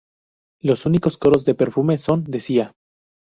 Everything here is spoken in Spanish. Los únicos coros de "Perfume" son de Sia.